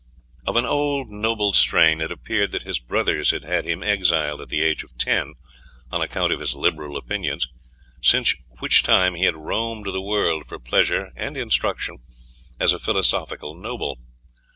Of an old noble strain, it appeared that his brothers had had him exiled at the age of ten, on account of his liberal opinions, since which time he had roamed the world for pleasure and instruction as a philosophical noble.